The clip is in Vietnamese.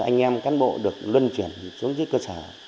anh em cán bộ được luân chuyển xuống dưới cơ sở